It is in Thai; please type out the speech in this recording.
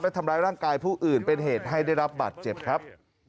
และทำร้ายร่างกายผู้อื่นเป็นเหตุให้ได้รับบาดเจ็บครับ